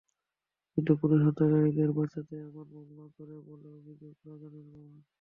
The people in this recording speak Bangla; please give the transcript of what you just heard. কিন্তু পুলিশ হত্যাকারীদের বাঁচাতে এমন মামলা করে বলে অভিযোগ রাজনের বাবার।